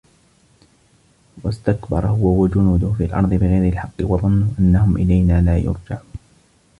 وَاستَكبَرَ هُوَ وَجُنودُهُ فِي الأَرضِ بِغَيرِ الحَقِّ وَظَنّوا أَنَّهُم إِلَينا لا يُرجَعونَ